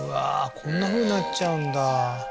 こんなふうになっちゃうんだ